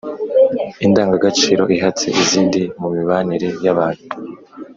indangagaciro ihatse izindi mu mibanire y’abantu